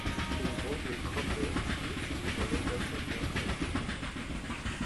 In "Mortal Kombat" spielt sie die Rolle der "Sonya Blade".